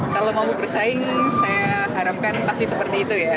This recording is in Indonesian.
kalau mau bersaing saya harapkan pasti seperti itu ya